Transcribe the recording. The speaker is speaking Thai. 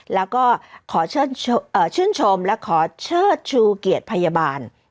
แล้วก็ขอชื่นชมและขอเชิดชูเกียรติพยาบาล